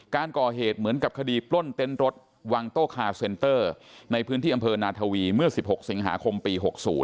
การก่อเหตุเหมือนกับคดีปล้นเต็นต์รถวางโต้คาเซนเตอร์ในพื้นที่อำเภอนาทวีเมื่อ๑๖สิงหาคมปี๖๐